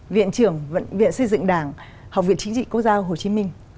viện trưởng viện xây dựng đảng học viện chính trị quốc gia hồ chí minh